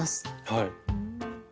はい。